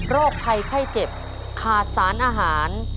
ภัยไข้เจ็บขาดสารอาหาร